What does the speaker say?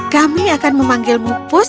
kami akan memanggilmu pus